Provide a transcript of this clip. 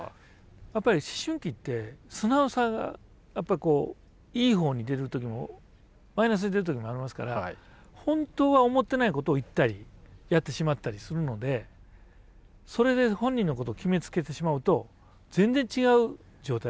やっぱり思春期って素直さがいい方に出る時もマイナスに出る時もありますから本当は思っていないことを言ったりやってしまったりするのでそれで本人のことを決めつけてしまうと全然違う状態。